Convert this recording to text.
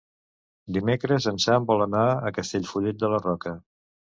Dimecres en Sam vol anar a Castellfollit de la Roca.